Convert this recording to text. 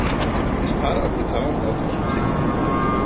It is part of the town of Kitzingen.